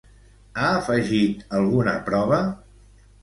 Ha afegit alguna prova?